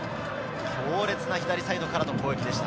強烈な左サイドからの攻撃でした。